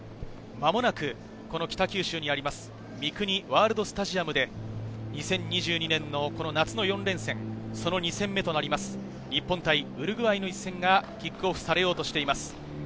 間もなくこの北九州にあります、ミクニワールドスタジアムで、２０２２年の夏の４連戦、その２戦目となります、日本対ウルグアイの一戦がキックオフされようとしています。